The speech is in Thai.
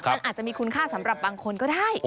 มันอาจจะมีคุณค่าสำหรับบางคนก็ได้